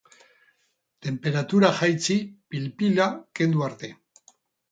Tenperatura jaitsi pil-pila kendu arte.